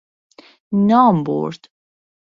نام برد